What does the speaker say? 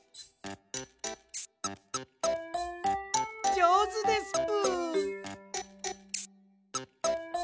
じょうずですぷ。